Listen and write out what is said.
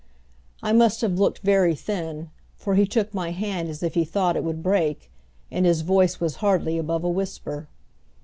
I must have looked very thin, for he took my hand as if he thought it would break and his voice was hardly above a whisper.